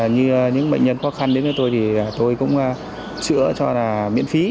như những bệnh nhân khó khăn đến với tôi thì tôi cũng chữa cho miễn phí